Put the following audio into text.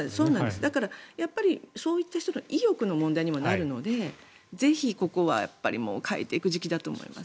だから、そういった人の意欲の問題にもなるのでぜひ、ここはやっぱり変えていく時期だと思います。